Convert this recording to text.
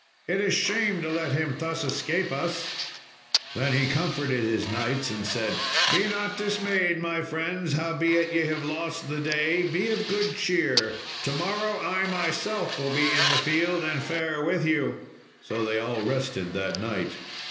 it is shame to let him thus escape us." Then he comforted his knights, and said, "Be not dismayed, my friends, howbeit ye have lost the day; be of good cheer; to morrow I myself will be in the field, and fare with you." So they all rested that night.